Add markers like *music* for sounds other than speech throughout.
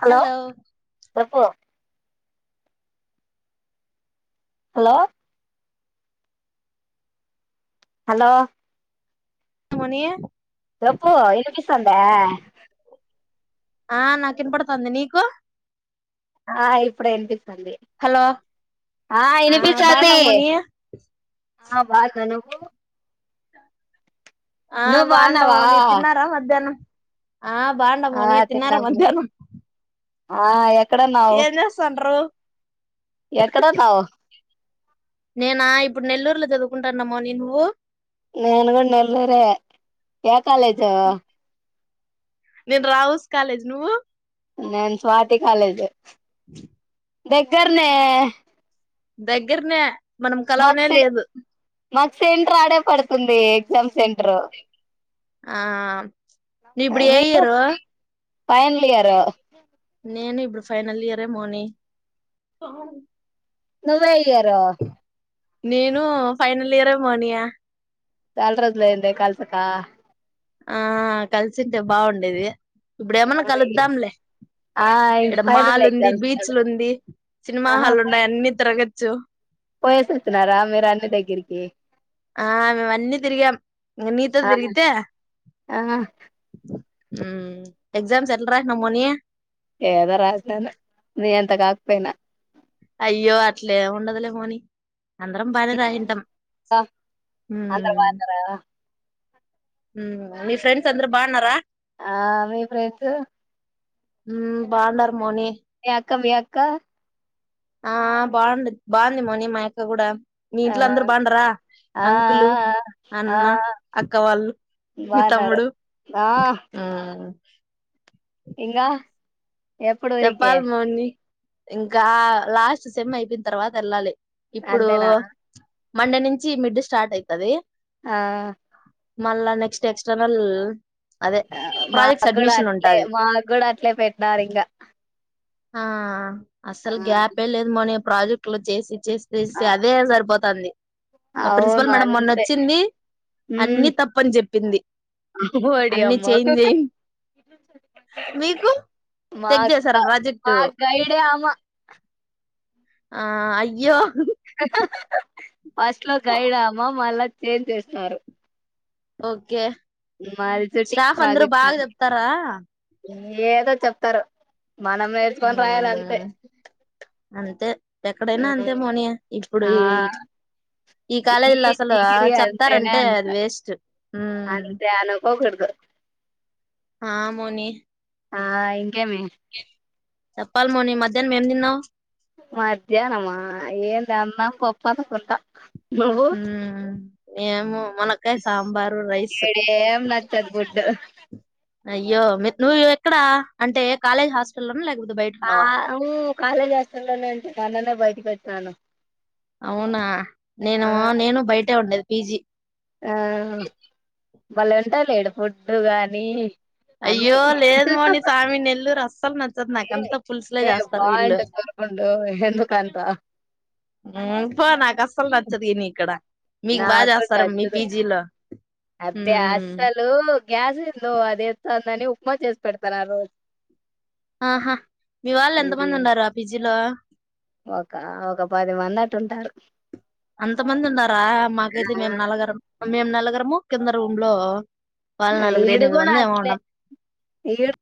Hello చెప్పు hello hello మనీయ చెప్పావు ఎదురుచూస్తోంది ఆ నాకు ఇన్ పడుతుంది నీకు ఆ ఇప్పుడ ఏంటి హలో ఆ వినిపిస్తోంది బాగున్నావా మౌని ఆ బాను ఆ నువ్వు బాగున్న బాగున్నావా మౌని తిన్నారా మధ్యాహ్నం ఆ బాగున్నా ఆ మౌని తిన్నారా తిన్నాము మధ్యాహ్నం ఆ ఎక్కడన్నావు ఏం చేస్తాండ్రు ఎక్కడన్నావు నేనా ఇప్పుడు నెల్లూరులో చదువుకుంటున్న మౌని నువ్వు నేను కూడా నెల్లూరు ఏ కాలేజు నేను రావుస్ కాలేజ్ నువ్వు నన్ స్వాతి కాలేజె దగ్గర్ నే దగ్గరనే మనం కలవనే సె లేదు. మాకు సెంట రాడే పడుతుంది. ఎగ్జామ్ సెంటరు ఆ ఇబుడు ఏ ఎయిరు ఫైనల్ ఇయర్ నేను ఇబ్ ఇప్పుడు ఫైనల్ ఇయరే మోని నువే ఏఇయరు నేను ఫైనల్ ఇయర్ ఏ మోనియా చల్రోజులైండే కల్సాకా ఆ కలిసింటే బాగుండేది. ఇప్పుడు ఏమైన్నా కలుద్దాంలే ఆ ఇడ ఫైనల్ మాల్ ఉంది. ఎగ్జామ్స్ బీచ్లు ఉంది. సినిమా హాల్ ఉన్నాయి అన్ని తిరగత్ చ్చో పోయేసేస్తున్నారా మీరు అన్ని దగ్గరికి ఆ మేమ్ వన్నీ తిరిగాం ఇగ ఆహా నీతోదిరిగితే ఆహా ఉమ్ ఎగ్జామ్స్ ఎట్లా రాసినావ్ మౌని ఏదో రాసిన ను నీ ఎంత కాక్పోయినా అయ్యో అట్లే ఉండదులే మోనీ అందరం బానిరషీన్టం ఆ! అందరు మ్ బాగున్నారా మీ ఫ్రెండ్స్ అందరూ బాన్నురా ఆ మీ ఫ్రెండ్స్ మ్ బాన్నుర్ మీ అక్కామిఅక్ ఇంకా ఆ బాగుంది బాగుంది మోని మా యక్క కూడా మీ ఆ ఇంట్లో అందరు బాగుండరా ఆ ఆ అంకులు ఆ అన్న ఆ! అక్క వాళ్ళు మీ బాగున్నారు తమ్ముడు ఆ ఇంగ జెప్పల్ మోని ఇంకా లాస్ట్ సెమ్ అయిపోయిన తర్వాత వెళ్ళాలి. ఇప్పుడు అంతేనా మండే నుంచి మిడ్ స్టార్ట్ అయితది. ఆ మళ్ళ నెక్స్ట్ ఎక్స్టర్నల్ అదే మా ప్రాజెక్ట్ కూడా సబ్మిషన్ అట్లే ఉంటది మా కూడా అట్లే పెట్టినారు ఇంగా హా ఆ అసలు గ్యాప్ ఏ లేదు మోనీ ప్రాజెక్టు లో చేసి చేస్ చేస్ ఆ! అధే జరిపోత్ సందీ మా అవును ప్రిన్సిపల్ మేడం మొన్న అంతే వచ్చింది ఉమ్ అన్ని తప్పని చెప్పింది ఓడి అన్ని అమ్మ చెంజ్ మీకు చెక్ చేసారా ప్రాజెక్ట్ మక్ గైడే ఆమ ఆ అయ్యో హహహ్ ఫస్ట్ లో గైడ్ ఆమ మళ్ళ ఎమ్ చేష్ నార్ ఓకే సిటిక్స్ స్టాఫ్ అందరుూ ప్రాజెక్ట్ బాగా అని చెప్తారా ఏదో చెప్ తరు ఆ అంతే ఎక్కడైనా అంతే మోని ఇప్పుడు ఆ ఈ ఈ కాలేజీలో అసలు డిగ్రీ అంతేనే చెప్తారంటే అంత అది వేస్ట్ ఉమ్ అంతే అనూకోకూడదు హా మోని హాయ్ ఏమి చెప్పాలి మోని మధ్యానం ఎమ్ తిన్నావ్ మధ్యానామా ఏంలే అన్నం పప్పు అనుకుంటా హుమ్ ఏమో ఇడ ఏం నచ్చదు ఫుడ్డు అయ్యో మీ నువ్వు ఎక్కడ అంటే కాలేజ్ హాస్టల్ లోన లేకపోత్ ఆఊ కాలేజ్ హాస్టల్ లోనే ఉంటే అలానే బయటికి వచ్చేద్ తను అవునా నేను, నేను బయటే ఉండేది. పిజి ఆహ్మ్ మాళ్ళ ఎల్తాలేడు ఫుడ్డు అని అయ్యో లేదు మోనిసామి నెల్లూరు అస్సలు నచ్చదు. నాకంతా పులుసులే ఏ చేస్తారు. వీళ్ళు బాగుంటది కోరుకుండు ఎందుకంత ఉమ్ పో నాకు అస్సలు నచ్చదు. ఈ నీ ఇక్కడ మీకు బా నాకు జేస్తారు మీ నచ్చదు పీజీలో అబ్బే ఉమ్ అస్సలు గ్యాస్ ఏందో అది తం దాని ఉప్మా చేసి పెడతారు ఆ రోజు ఆహా మీ వాళ్ళు ఎంత మంది ఉమ్, ఉండారా ఆ పిజ్జిలో *unintelligible* ఒక ఒక పది మంది అటు ఉంటారు. అంతమంది ఉండరా మాకైతే మేము నలగరం మేము నలగరము కింద రూమ్ లో వాళ్ళు నలుగురు ఈడు ఎనిమిది కూడా మంది ఏమో అట్లే ఉండం ఈడు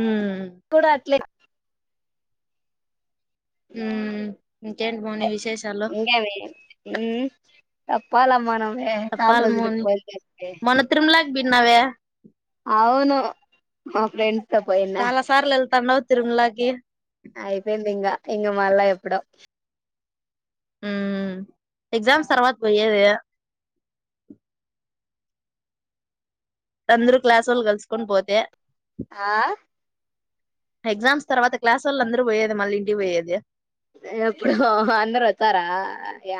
ఉమ్ ఈ కూడా అట్లే ఉ ఇంకేంటి మౌని విశేషాలు పోల మనం ఏ నాలుగు చెప్పాలి రోజులకే మౌని ఫోన్ చేస్తే మొన్న తిరుమలాకి బిన్నావే అవును మా ఫ్రెండ్ చాలా సార్లు ఎల్ తాన్నావ్ తిరుమలకి అయిపోయింది ఇంగ ఇంగ మల్ల ఎప్పుడో ఉమ్ ఎగ్జామ్స్ తర్వాత పోయేది. అందరూ క్లాసొల్లు కలుసుకొని పోతే ఆ ఎగ్జామ్స్ తర్వాత క్లాసొల్లు అందరూ పోయేది మళ్ళీ ఇంటికి పోయేది. ఎప్పుడో అందరు వతారా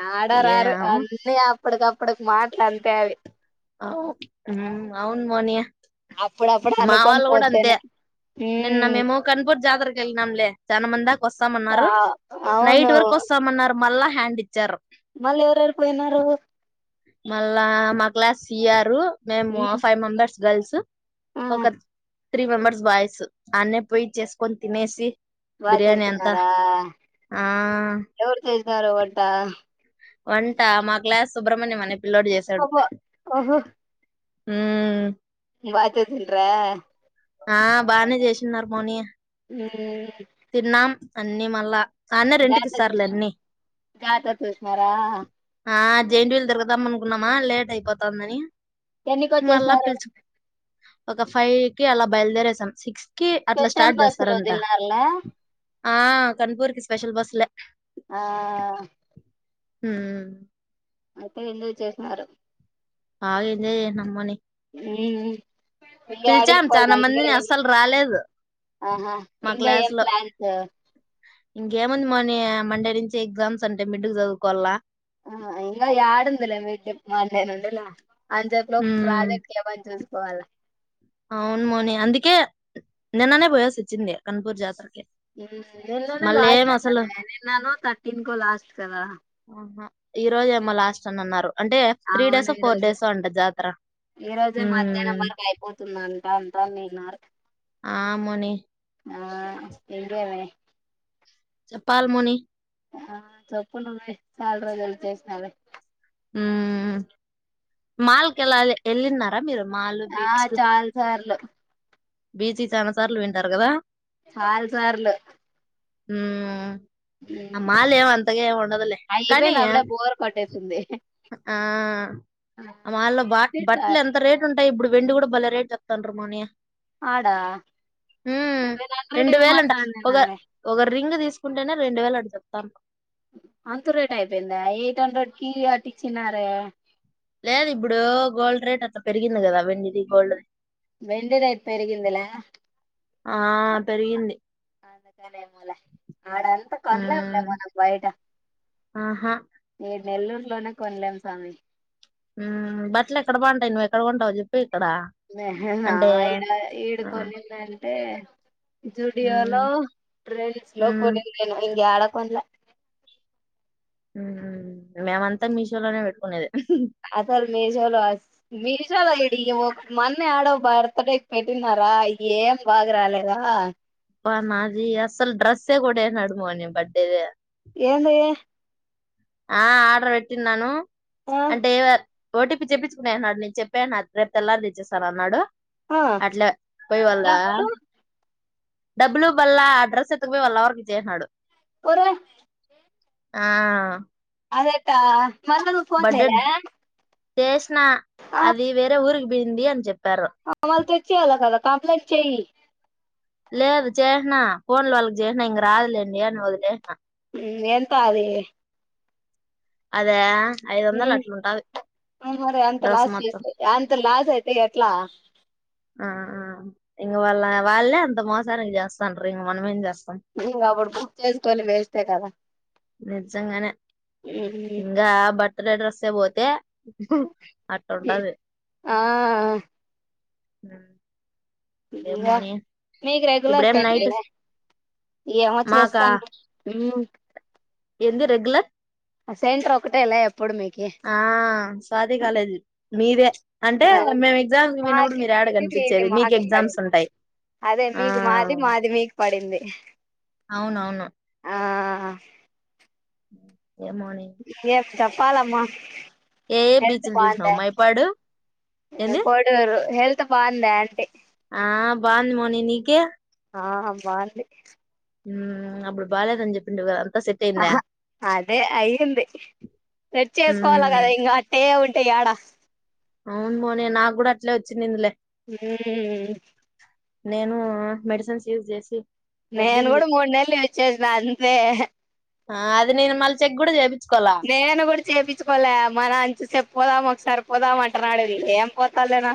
ఏడ రారు ఏమో అన్ని అప్ప అప్పటికప్పడుకి మాటలు అంతే అవి అవు అవున్ మోని అప్పుడప్పుడు మా అనుకొని వాళ్ళు కూడా అంతే పోతేనే ఉమ్ నిన్నమేమో కన్పూర్ జాతరకిలీనామ్ లే చనమంది దా ఆ వస్తామన్నారు నైట్ అవును వర్కు వస్తామన్నారు మళ్ళా హ్యాండ్చ్చారు మళ్ళీ ఎవరెరు పోయినారు మళ్ళా మా క్లాస్ సియారు మేము ఉమ్ ఫైవ్ మెంబర్స్ గల్స్ ఆ ఒక త్రీ మెంబర్స్ బాయ్స్ ఆడ్నే పోయి చేసుకొని తినేసి బాగా బిర్యానీ అంతా చేసుకున్నారా ఆ ఎవరు చేసార వంటా వంట మాగ్లా సుబ్రహమణ్యం మానే పిల్ల్లోడు చేసాడు అబ్బో ఓహో హ్మ్మ్ బాగా చేసింట్రా ఆ బానే చేసిన్నారు మోనియ ఉ అన్నీ మళ్ళా ఆన్నే రెంట్ కి ఇస్తారులే జాతరకొచ్చినం అన్ని జాతర చూస్తారా ఆ జెయింట్ వీలు తిరుగుదాం అనుకున్నామా లేట్ అయిపోతాందని ఎన్నిక వచ్చేసినారు ఒక ఫైవ్ అలా బయలుదేరేసాం సిక్స్ కి అట్లా స్పెషల్ స్టార్ట్ బస్సులు చేస్తారంట వదినాల్లే ఆ ఖాన్పూర్ కి స్పెషల్ బస్సులే ఆ ఉమ్ అయితే ఎందుకు చేసినారు ఆయనే నమ్మని ఉ ఉ పిలిచాం చానా మందిని అస్సలు రాలేదు ఆహా మా ఇంగ క్లాస్ ఏం లో ప్లాన్స్ ఇంకేం ముందు మని మండే నుంచి ఎగ్జామ్స్ అంటే మిడ్కు చదువుకోవాలనా ఆ ఇంగ అందట్లో ఉమ్ ప్రాజెక్టులు ఇ పోవాల అవును మోని అందుకే నిన్ననే పోయాల్సి వచ్చింది ఖాన్పూర్ జాతరకి నిన్ననే మళ్ళీ ఏం లాస్ట్ అసలు అంటానే నిన్ననో థాటిన్కో లాస్ట్ కదా ఆహా ఈ రోజు ఏమో లాస్ట్ అని అన్నారు అంటే త్రీ అవును డేసో ఈ ఫోర్ రోజే డేసో అంట జాతర అంటా అంతా నీనార్ ఆ మోని ఆ ఇంకా ఏమే చెప్పాలే మోని ఆ చెప్పు నువ్వే చాలా రోజులకు చేసినావులే ఉమ్ మాల్ కి వెళ్ళాలి ఎళ్లిఉన్నరా మీరు మాల్ ఆ చాల సార్లు బీచీ చానా సార్లు వింటారు కదా చాల్సార్లు ఉమ్ ఆ మాలులో అంతగేమ్ ఉండదులే కానీ అయిపోయింది అప్పుడే బోర్ కొట్టేసింది ఆ మాల్లో బా ఏంటి బట్టలు సార్ ఎంత రేట్ ఉంట ఇప్పుడు వెండి కూడా భలే రేట్ చెప్పుతాండ్రు మోని ఆడా టూవెల్ హండ్రెడ్ అంటాంది ఒగా రింగ్ తీసుకుంటేనే రెండు వేలు అంటా చెప్తా అంత రేట్ అయిపోయిందా ఎయిట్ హండ్రెడ్ కి వొట్టి చిన్నారే లేదు ఇప్పుడు గోల్డ్ రేట్ అంత పెరిగింది కదా వెండిది గోల్డ్ రేట్ వెండి రేట్ పేరిగిందిలే ఆ పెరిగింది ఇగ లేద్ లే ఆడంతా కోనలేములే ఉమ్ మనకు బయట ఆహా నెల్లూరులోనే కొనలేం స్వామి ఉమ్ బట్టలు ఎక్కడ బాగుంటాయి నువ్వు ఎక్కడ కొంటావ్ చెప్పు ఎ నేను ఇడ ఆ, ఇడకొన్నిన్నను టె జూడియో ఉమ్ లో ట్రెంస్ లో ఉమ్ కొనిన్ నేను ఇంకా యాడ కోన్లా ఉమ్ మేమంతా మీషో లోనే పెట్టుకునేది అసలు మీషోలో మీ చాల ఇడి మన్న యాడో బర్త్డే కి పెట్టినారా ఏం బాగా రాలేదా అబ్బా నాది అసలు డ్రెస్సే కొట్టేస్నాడు మౌని బర్త్డేది ఏంది ఆ ఆర్డర్ పెట్టిన్నను ఆ అంటే వ ఓటీపీ చెప్పుకునేసినాడు నేను చెప్పేసినా రేపు తెల్లనరి తెచ్చిస్తానన్నాడు ఆ అట్లా పోయి వాళ్ళా డబ్బులు డబ్బులు బల్ళ అ డ్రస్ ఎత్తక్కపోయి వాళ్ళ లవెర్ కి ఇచ్చేసిసినాడు ఒరే ఆ అదేట్ట మళ్ళ నువ్ ఫోన్ చెయాలా చేస్ నా అది వేరే ఊరుకి పింది అని చెప్పి వల్ తెచ్చియాలా కదా కంప్లైంట్ చేయి లేదు చేసిన ఫోన్లు వాళ్ళకి చేసిన ఇంక రాదులేండి అని వదిలేసిన ఉమ్ ఎంత అది అదా ఉమ్ ఉమ్ మరే అంత డ్రెస్ లాస్ మొత్తం చేస్త అంత లాస్ అయిత్ స్తే ఎట్లా ఆ ఇంగా వాళ్ళ వాళ్ళే అంత మోసానికి చేస్తాండ్రు ఇంక మనమేం చేస్తాం ఇంకా అప్పుడు బుక్ చేసుకొని వేస్టే కదా నిజంగానే ఇంకా బట్ట బర్త్డే డ్రెస్ పోతే అట్ట ఉంటది ఆ ఆ మీకు రెగులర్ ఇప్పుడేం నైట్ సెంటలే ఏమో మాకా చేస్తాను ంది రెగులర్ సేంట్ర ఒకటేలా ఆ స్వాతి కాలేజీ మీదే అంటే మేము ఎగ్జామ్ పోయినప్పుడు మాకి మీరు మీది మీది ఏడకనిపించేది మీకు మాకు ఎగ్జామ్స్ పడింది ఉంటాయి అదే ఆ మీకు మాది మాది మీకు పడింది అవునవును ఆ ఉ ఏ మార్నింగ్ ఏం చెప్పాలమ్మా ఏ హెల్త్ బీచ్లు బాగుందా చూసినావు మైపాడు ఏంది కోడూరు హెల్త్ బాగుందా అంటే ఆ బాగుంది మోని నీకే ఆ బాగుంది అప్పుడు బాలేదు అని చెప్పిండు కదా అంతా సెట్ అయిందా ఆ అదే అయి్యింది సెట్ చేసుకోవాలి ఉమ్ కదా ఇంకా అట్టే ఉ ట్ట ఎడా అవును మోని నాకు కూడా అట్లే వచ్చింది ఇందులే ఉమ్ నేను మెడిసిన్స్ యూజ చేసి నేను తగ్గింది కూడా మూడు నెలలు యూస్ చేసిన అంతే అది నేను మళ్ చెక్ కూడా చె నేను కూడా చేపించుకోలే మన అంచు చెప్ప పోదామా ఒకసారి పోదా మాంటన్నాడుది ఏం పోతాాలేనా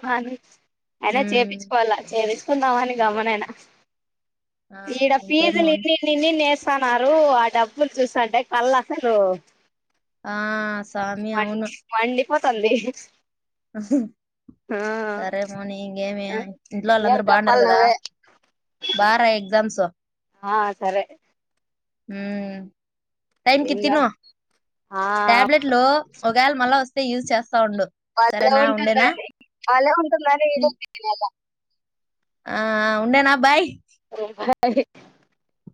అయినా ఉమ్ చేయించుకోవాలా చేయిుకో వస్తుందా అని గమ్మున ఉన్న ఆ ఇడ ఇంకేం ఫీజు లు మౌని ఇన్ని ఇన్ని వస్తున్నారు ఆ డబ్బులు చూస్తంటే కళ్ళ అసలు ఆ స్వామి అవును *unintelligible* పోతుంది సరే మోని ఇంకేమి ఇంట్లో వాళ్ళు ఇంకేం అందరూ బాగున్నారుారు చెప్పాలి కదా నువ్వే బాా రాయి ఎగ్జామ్స్ ఆ సరే హ టైమ్ కి ఇంగా తిను ఆ ట్యాబ్లేట్ లో ఒక గాల మల్లా వస్తు యూస్ చేస్తున్న బలే ఉంటుందని బలే ఉంటుందని ఉమ్. ఇరికింది ఆలా ఆ ఉండనా బాయ్ *inaudible* *inaudible*